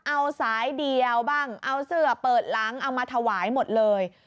เอาสายเดียวบ้างเอาเสื้อเปิดหลังเอามาถวายหมดเลย